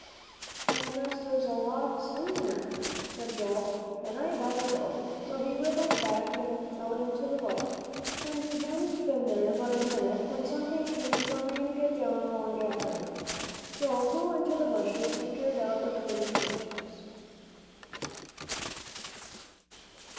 "I guess there's lots in there," said Joel, "an' I better go," so he wriggled back out into the light. And he hadn't been there but a minute when something came squirming down along after him. Joel flew into the bushes and peered out between the branches.